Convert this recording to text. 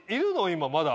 今まだ。